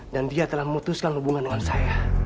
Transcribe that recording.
dan dia telah memutuskan hubungan dengan saya